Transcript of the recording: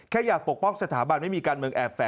แค่อยากปกป้องสถาบันไม่มีการเมืองแอบแฝ